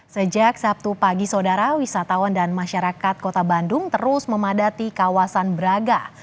sejak sabtu pagi saudara wisatawan dan masyarakat kota bandung terus memadati kawasan braga